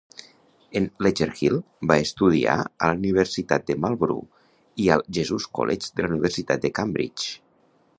En Ledger Hill va estudiar a la Universitat de Marlborough i al Jesus College de la Universitat de Cambridge.